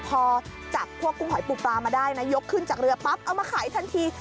พอจับพวกกุ้งหอยปูปลามาได้นะยกขึ้นจากเรือปั๊บเอามาขายทันที